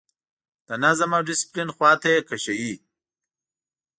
د نظم او ډسپلین خواته یې کشوي.